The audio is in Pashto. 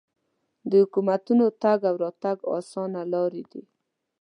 د حکومتونو تګ او راتګ اسانه لارې دي.